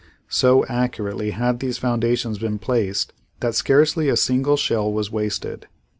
So accurately had these foundations been placed that scarcely a single shell was wasted.